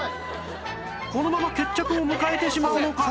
このまま決着を迎えてしまうのか？